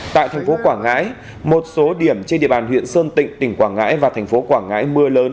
tại tp quảng ngãi một số điểm trên địa bàn huyện sơn tịnh tỉnh quảng ngãi và tp quảng ngãi mưa lớn